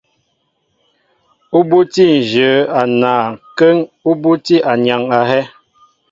Ú bútí nzhě a naay kə́ŋ ú bútí anyaŋ a hɛ́.